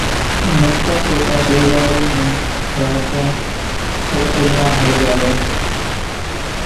ننڪان سوڪران ۮيوارِي نِي راچين شرشريان ۿرڳاوي